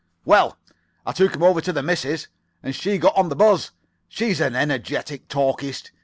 "Well, I took him over to the missus, and she got on the buzz. She's an energetic talkist.